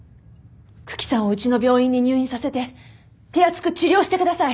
九鬼さんをうちの病院に入院させて手厚く治療してください。